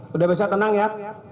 sudah bisa tenang ya